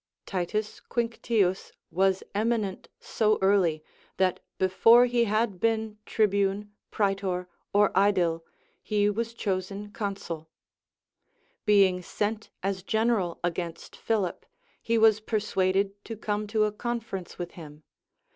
T. Quinctius Avas eminent so early, that before he had been tribune, praetor, or aedile, he was chosen consul. Being sent as general against Philip, he Avas persuaded to come to a conference with him.